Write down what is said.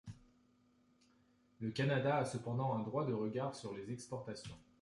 Le Canada a cependant un droit de regard sur les exportations.